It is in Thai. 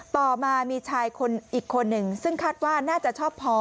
ต่อมามีชายคนอีกคนหนึ่งซึ่งคาดว่าน่าจะชอบพอ